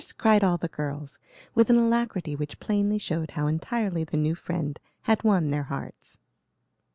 cried all the girls, with an alacrity which plainly showed how entirely the new friend had won their hearts.